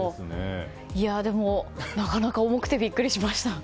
でも、なかなか重くてビックリしました。